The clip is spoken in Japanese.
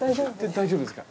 大丈夫ですか？